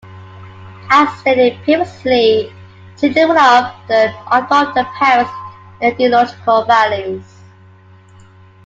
As stated previously, children will often adopt their parents' ideological values.